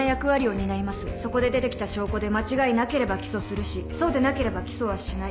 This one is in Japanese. そこで出てきた証拠で間違いなければ起訴するしそうでなければ起訴はしない。